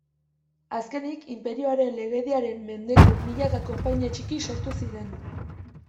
Azkenik, inperioaren legediaren mendeko milaka konpainia txiki sortu ziren.